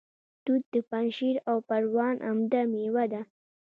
توت د پنجشیر او پروان عمده میوه ده